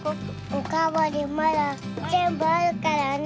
おかわりまだぜんぶあるからね。